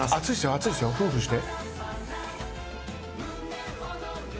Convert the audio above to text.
熱いですよ、フーフーして。